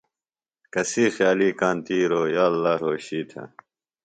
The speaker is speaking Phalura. کسی خیالیۡ کانتِیروۡ یااللّٰہ رھوشی تھہ۔